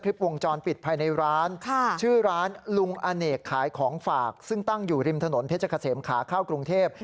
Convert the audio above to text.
วงจรปิดภายในร้านชื่อร้านลุงอเนกขายของฝากซึ่งตั้งอยู่ริมถนนเพชรเกษมขาเข้ากรุงเทพ